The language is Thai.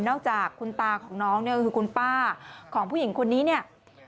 นอกจากคุณตาของน้องคือคุณป้าของผู้หญิงคนนี้